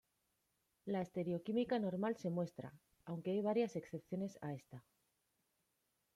La estereoquímica normal se muestra, aunque hay varias excepciones a esta.